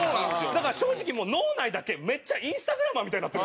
だから正直脳内だけめっちゃインスタグラマーみたいになってる。